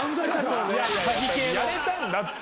やれたんだって。